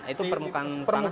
itu permukaan tanah